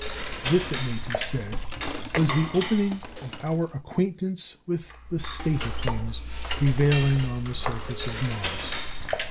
This, it may be said, was the opening of our acquaintance with the state of things prevailing on the surface of Mars.